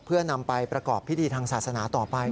เพื่อนำไปประกอบพิธีทางศาสนาต่อไป